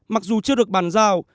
nếu được bàn giao